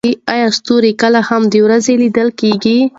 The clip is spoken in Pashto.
ایا ستوري کله هم د ورځې لیدل کیږي؟